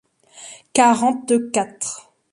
quarante-quatre